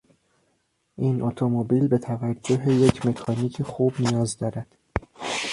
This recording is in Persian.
این اتومبیل به توجه یک مکانیک خوب نیاز دارد.